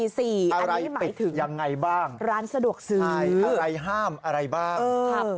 อันนี้หมายถึงร้านสะดวกซื้ออะไรปิดยังไงบ้างอะไรห้ามอะไรบ้างเออ